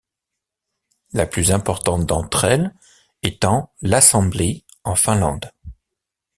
La plus importante d'entre elles étant l'Assembly, en Finlande.